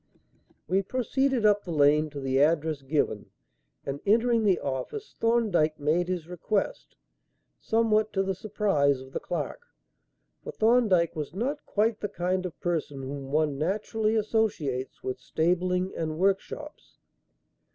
We proceeded up the lane to the address given, and, entering the office, Thorndyke made his request somewhat to the surprise of the clerk; for Thorndyke was not quite the kind of person whom one naturally associates with stabling and workshops.